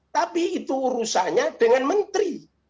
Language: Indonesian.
tapi itu urusannya dengan menteri